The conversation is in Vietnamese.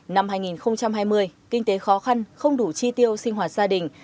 năm hai nghìn hai mươi kinh tế khó khăn không đủ chi tiêu sinh hoạt gia đình